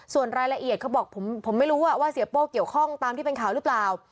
ส่วนรายละเอียดเขาบอกผมไม่รู้ว่าเสียโป้เกี่ยวข้องตามที่เป็นข่าวหรือเปล่า